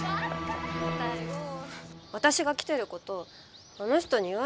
私が来てることあの人に言わないでよ。